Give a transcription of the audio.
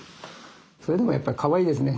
それでもやっぱかわいいですね